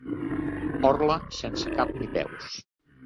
Orla sense cap ni peus.